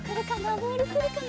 ボールくるかな？